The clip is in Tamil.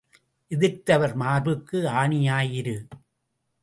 எதிர்த்தவர் மார்புக்கு ஆணியாய் இரு.